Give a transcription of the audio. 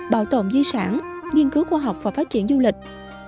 bảo tồn di sản nghiên cứu khoa học và phát triển du lịch